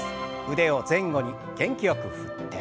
腕を前後に元気よく振って。